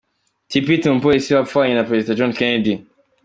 Tippit, umupolisi wapfanye na perezida John Kennedy.